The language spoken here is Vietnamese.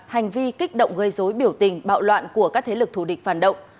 hành vi kích động gây dối biểu tình bạo loạn của các thế lực thù địch phản động